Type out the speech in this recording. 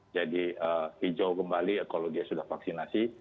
jadi hijau kembali kalau dia sudah vaksinasi